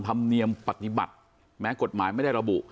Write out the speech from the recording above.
ธรรมเนียมปฏิบัติแม้กฎหมายไม่ได้ระบุ